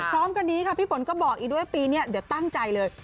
พร้อมกันนี้ค่ะพี่ฝนก็บอกอีกด้วยปีนี้เดี๋ยวตั้งใจเลย